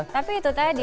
tapi itu tadi